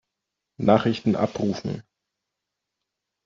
Nachrichten abrufen.